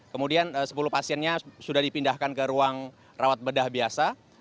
kemudian sepuluh pasiennya sudah dipindahkan ke ruang rawat bedah biasa